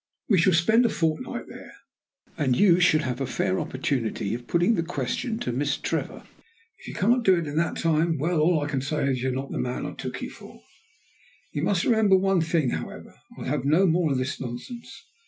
We shall spend a fortnight there, and you should have a fair opportunity of putting the question to Miss Trevor. If you can't do it in that time, well, all I can say is, that you are not the man I took you for. You must remember one thing, however: I'll have no more of this nonsense.